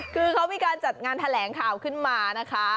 คือเขามีการจัดงานแถลงข่าวขึ้นมานะคะ